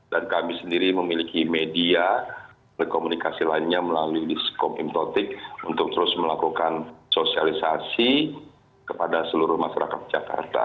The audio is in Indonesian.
dan kami sendiri memiliki media berkomunikasi lainnya melalui diskom improtik untuk terus melakukan sosialisasi kepada seluruh masyarakat jakarta